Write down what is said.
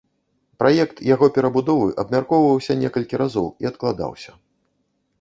Праект яго перабудовы абмяркоўваўся некалькі разоў і адкладаўся.